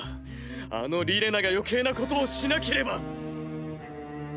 あのリレナが余計なことをしなければ。